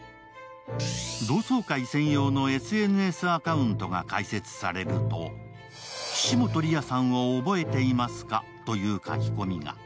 同窓会専用のＳＮＳアカウントが開設されると、岸本李矢さんを覚えていますかという書き込みが。